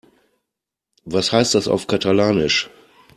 Was heißt das auf Katalanisch?